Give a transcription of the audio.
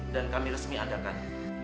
dan kami resmi adakan